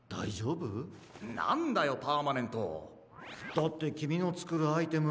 だってきみのつくるアイテム